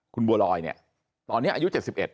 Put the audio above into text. คุณบัวลอยเนี่ยตอนนี้อายุ๗๑